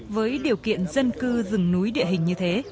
với điều kiện dân cư rừng núi địa hình như thế